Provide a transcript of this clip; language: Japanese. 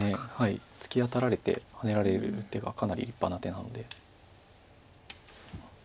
ツキアタられてハネられる一手がかなり立派な手なので。